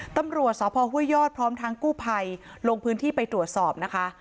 ตำรวจสพห้วยยอดพร้อมทางกู้ภัยลงพื้นที่ไปตรวจสอบนะคะ